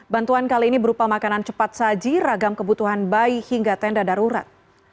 bantuan kali ini berupa makanan cepat saji ragam kebutuhan bayi hingga tenda darurat